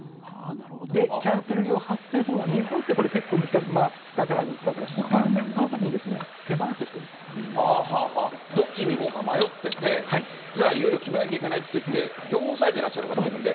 で、キャンセル料発生するのが、日本ってこれ、結構難しい、２日から３日ぐらい前、どっちに行こうか迷ってて、じゃあ、いよいよ決めなきゃいけないっていって、両方押さえてらっしゃる方もいるんで。